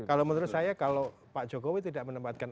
kalau menurut saya kalau pak jokowi tidak menempatkan